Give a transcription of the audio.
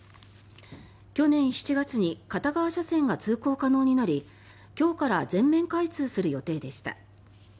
去年７月に片側車線が通行可能になり今日から全面開通する予定でした。